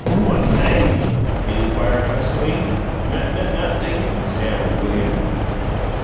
"What say?" it inquired, huskily. "Nun nothing!" stammered William.